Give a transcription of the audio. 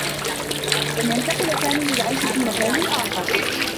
لن ينتقل سامي للعيش في مكان آخر.